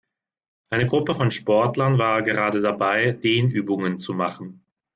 Eine Gruppe von Sportlern war gerade dabei, Dehnübungen zu machen.